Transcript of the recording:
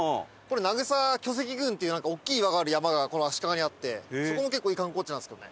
名草巨石群っていう大きい岩がある山がこの足利にあってそこもいい観光地なんですけど。